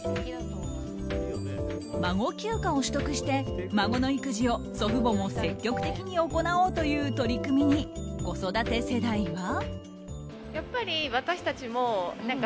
孫休暇を取得して、孫の育児を祖父母も積極的に行おうという取り組みに子育て世代は。